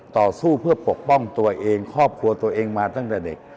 ต่อสู้เพื่อปกป้องตัวเองครอบครัวตัวเองมาตั้งแต่เด็ก